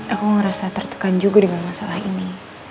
aku merasa tertekan juga dengan masalah ini